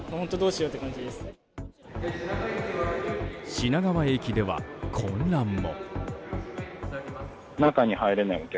品川駅では混乱も。